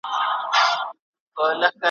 ورته اېل یې هم غوایي او هم پیلان کړل `